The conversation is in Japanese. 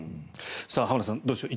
浜田さん、どうでしょう。